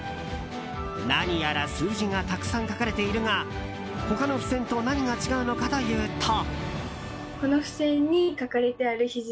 何やら数字がたくさん書かれているが他の付箋と何が違うのかというと。